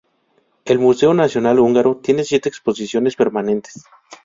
El Museo Nacional Húngaro tiene siete exposiciones permanentes.